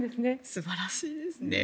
素晴らしいですね。